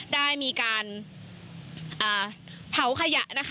ได้มีการเผาขยะ